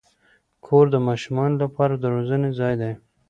کور د ماشومانو لپاره د روزنې ځای دی.